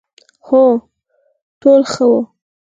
هو، ټول ښه وو،